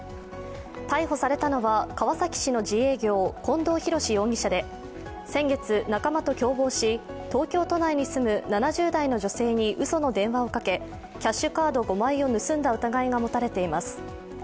逮捕されたのは川崎市の自営業、近藤弘志容疑者で先月、仲間と共謀し東京都内に住む７０代の女性にうその電話をかけキャッシュカード５枚を盗んだ疑いが持たれています。